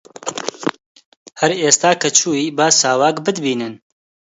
هەر ئێستا کە چووی با ساواک بتبینن